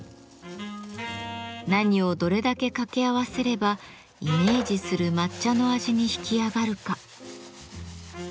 何をどれだけ掛け合わせればイメージする抹茶の味に引き上がるか。